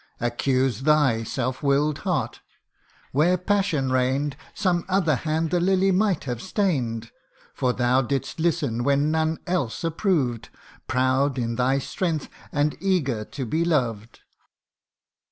Accuse thy self will'd heart, where passion reign 'd ; Some other hand the lily might have stain'd, For thou didst listen when none else approved, Proud in thy strength, and eager to be loved.